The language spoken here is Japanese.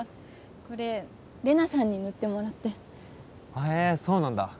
これ玲奈さんに塗ってもらってへえそうなんだ